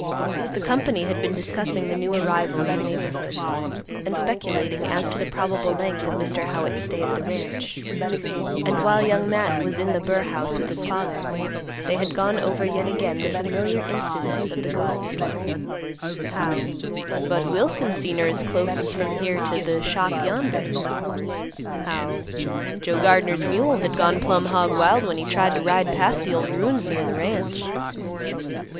The company had been discussing the new arrival in the neighborhood, and speculating as to the probable length of Mr. Howitt's stay at the ranch, and while Young Matt was in the burr house with his father, they had gone over yet again the familiar incidents of the ghost story; how "Budd Wilson seen her as close as from here t' th' shop yonder." How "Joe Gardner's mule had gone plumb hog wild when he tried to ride past the ol' ruins near th' ranch."